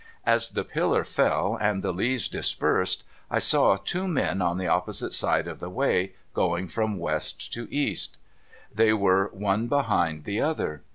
As the pillar fell and the leaves dis persed, I saw two men on the opposite side of the way, going from ^Vest to East. "Jliey were one behind the other.